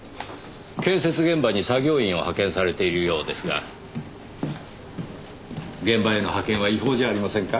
建設現場に作業員を派遣されているようですが現場への派遣は違法じゃありませんか？